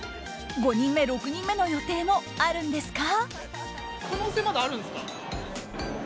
５人目、６人目の予定もあるんですか？